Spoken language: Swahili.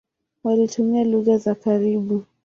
Walitumia lugha za karibu.